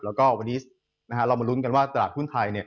แล้วก็วันนี้เรามาลุ้นกันว่าตลาดหุ้นไทย